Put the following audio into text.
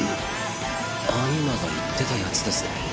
アニマが言ってたやつですね。